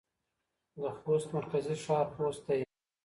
د خوست مرکزي ښار خوست دی.